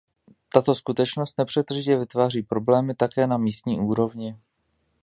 Tato skutečnost nepřetržitě vytváří problémy také na místní úrovni.